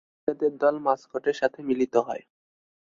সব ছেলেদের দল মাসকটের সাথে মিলিত হয়